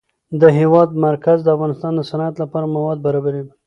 د هېواد مرکز د افغانستان د صنعت لپاره مواد برابروي.